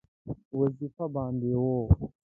وظیفه باندې وو.